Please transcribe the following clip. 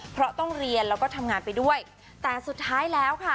เพราะต้องเรียนแล้วก็ทำงานไปด้วยแต่สุดท้ายแล้วค่ะ